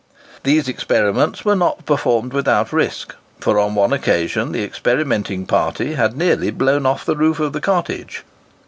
These experiments were not performed without risk, for on one occasion the experimenting party had nearly blown off the roof of the cottage.